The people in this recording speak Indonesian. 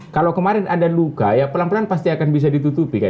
kalau kemarin ada luka ya pelan pelan pasti akan bisa ditutupi